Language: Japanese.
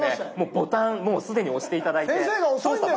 ボタンもう既に押して頂いて。